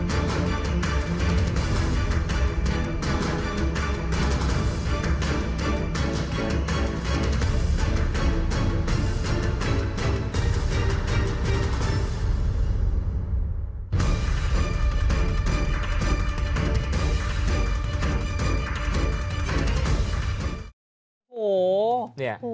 โหเนี่ย